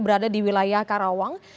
berada di wilayah karawang